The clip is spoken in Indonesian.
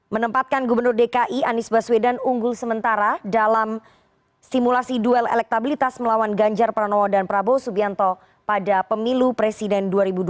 menempatkan gubernur dki anies baswedan unggul sementara dalam simulasi duel elektabilitas melawan ganjar pranowo dan prabowo subianto pada pemilu presiden dua ribu dua puluh